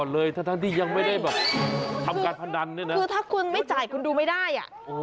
และฝ่าผลิตกฎหมาย